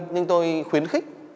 nhưng tôi khuyến khích